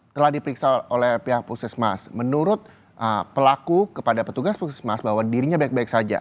telah diperiksa oleh pihak puskesmas menurut pelaku kepada petugas puskesmas bahwa dirinya baik baik saja